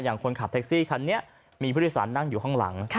คนขับแท็กซี่คันนี้มีผู้โดยสารนั่งอยู่ข้างหลัง